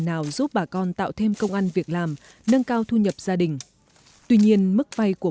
nào giúp bà con tạo thêm công ăn việc làm nâng cao thu nhập gia đình tuy nhiên mức vay của